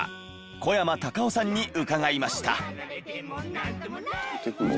小山高生さんに伺いました。